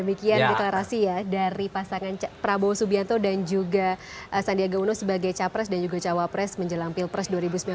demikian deklarasi ya dari pasangan prabowo subianto dan juga sandiaga uno sebagai capres dan juga cawapres menjelang pilpres dua ribu sembilan belas